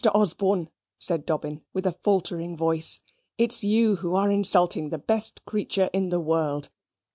Osborne," said Dobbin, with a faltering voice, "it's you who are insulting the best creature in the world.